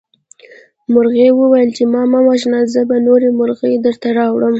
مرغۍ وویل چې ما مه وژنه زه به نورې مرغۍ درته راوړم.